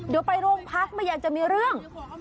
เดี๋ยวไปโรงพักไม่อยากจะมีเรื่อง